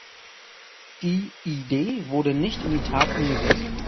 Die Idee wurde nicht in die Tat umgesetzt.